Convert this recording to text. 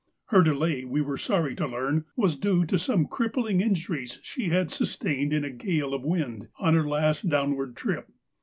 Her delay, we were sorry to learn, was due to some cripphng injuries she had sustained in a gale of wind on her last downward trip.